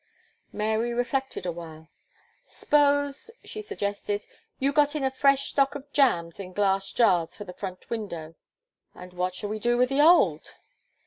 Mary reflected a while. "S'pose," she suggested, "you got in a fresh stock of jams in glass jars, for the front window." "And what shall we do with the old?"